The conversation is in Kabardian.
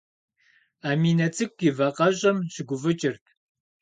Аминэ цӏыкӏу и вакъэщӏэм щыгуфӏыкӏырт.